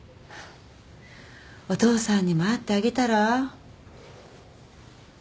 お父さんにも会ってあげたら？